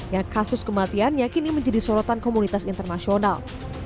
yang kasus kematiannya kini menjadi sorotan komunitas internasional